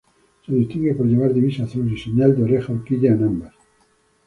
Se distingue por llevar divisa azul, y señal de oreja horquilla en ambas.